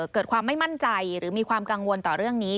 เกิดความไม่มั่นใจหรือมีความกังวลต่อเรื่องนี้